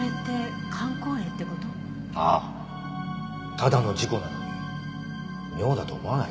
ただの事故なのに妙だと思わないか？